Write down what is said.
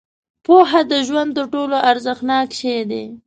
• پوهه د ژوند تر ټولو ارزښتناک شی دی.